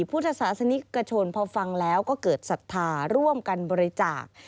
พุทธศาสนิกชนพอฟังแล้วก็เกิดศรัทธาร่วมกันบริจาค